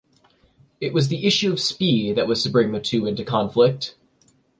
It was the issue of speed that was to bring the two into conflict.